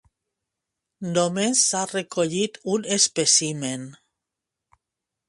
Només s'ha recollit un espècimen.